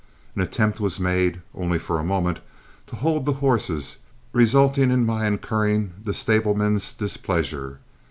An attempt was made, only for a moment, to hold the horses, resulting in my incurring the stableman's displeasure.